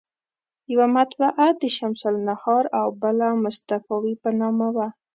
یوه مطبعه د شمس النهار او بله مصطفاوي په نامه وه.